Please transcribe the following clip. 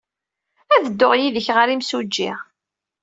Ad dduɣ yid-k ɣer yimsujji.